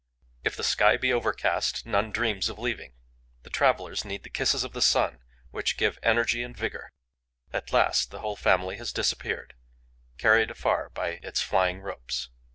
If the sky be overcast, none dreams of leaving. The travellers need the kisses of the sun, which give energy and vigour. At last, the whole family has disappeared, carried afar by its flying ropes.